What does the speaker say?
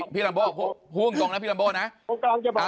พี่ลำโบพรุ่งตรงนะพี่ลำโบนะ